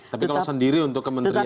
tapi kalau sendiri untuk kementerian